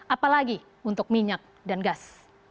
apalagi untuk minyak dan gas